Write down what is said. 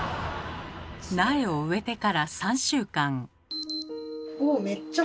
苗を植えてから３週間。